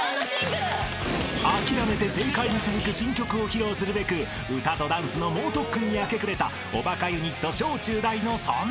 ［『諦めて正解』に続く新曲を披露するべく歌とダンスの猛特訓に明け暮れたおバカユニット小中大の３人］